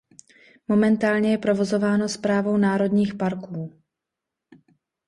Momentálně je provozováno Správou národních parků.